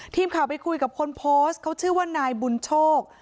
ทีมข่าวไปคุยกับคนโพสต์เขาชื่อว่านายบุญโชค